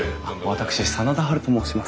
私真田ハルと申します。